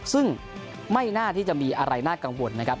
ซึ่งไม่น่าที่จะมีอะไรน่ากังวลนะครับ